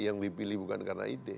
yang dipilih bukan karena ide